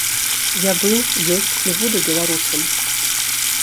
Я быў, ёсць і буду беларусам.